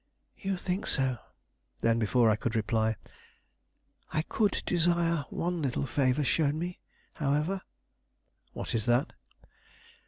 "You think so"; then, before I could reply, "I could desire one little favor shown me, however." "What is that?"